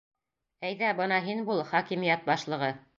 Әйҙә, бына һин бул хакимиәт башлығы.